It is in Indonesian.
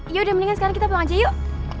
ya udah mendingan sekarang kita pulang aja yuk